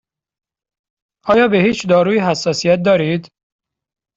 آیا به هیچ دارویی حساسیت دارید؟